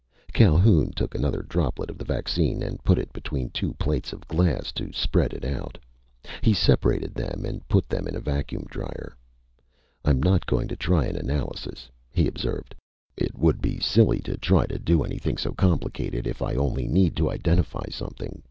Calhoun took another droplet of the vaccine and put it between two plates of glass, to spread out. He separated them and put them in a vacuum drier. "I'm not going to try an analysis," he observed. "It would be silly to try to do anything so complicated if I only need to identify something.